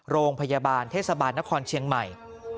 โรงพยาบาลเทศบาลนครเชียงใหม่